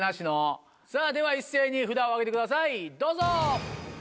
さぁでは一斉に札を上げてくださいどうぞ。